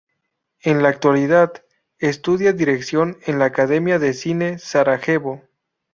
En la actualidad, estudia dirección en la Academia de Cine Sarajevo.